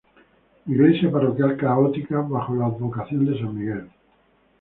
Iglesia parroquial católica bajo la advocación de San Miguel.